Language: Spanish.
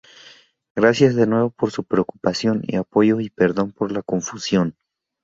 Gracias de nuevo por su preocupación y apoyo y perdón por la confusión.